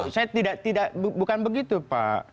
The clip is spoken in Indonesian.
saya tidak bukan begitu pak